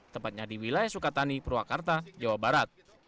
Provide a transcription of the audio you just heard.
tepatnya di wilayah sukatani purwakarta jawa barat